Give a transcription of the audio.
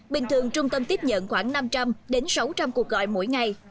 bình thường trung tâm tiếp nhận khoảng năm trăm linh đến sáu trăm linh cuộc gọi mỗi ngày